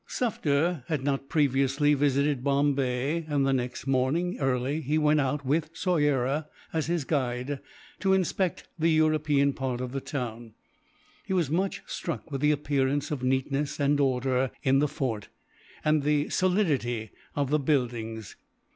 Sufder had not previously visited Bombay, and the next morning early he went out, with Soyera as his guide, to inspect the European part of the town. He was much struck with the appearance of neatness and order in the fort, and the solidity of the buildings.